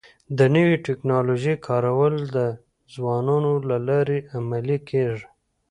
د نوي ټکنالوژۍ کارول د ځوانانو له لارې عملي کيږي.